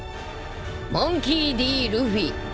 モンキー・Ｄ・ルフィ。